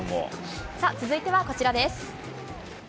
続いては、こちらです。